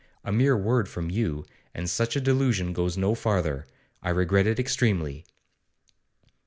A mere word from you, and such a delusion goes no farther. I regret it extremely.